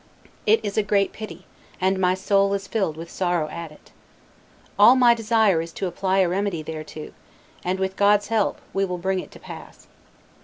It is a great pity, and my soul is filled with sorrow at it. All my desire is to apply a remedy thereto, and, with God's help, we will bring it to pass."